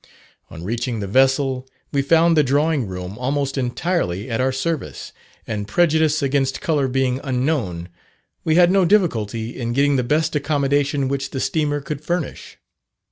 On reaching the vessel, we found the drawing room almost entirely at our service, and prejudice against colour being unknown, we had no difficulty in getting the best accommodation which the steamer could furnish.